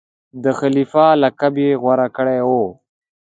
د خلیفه لقب یې غوره کړی وو.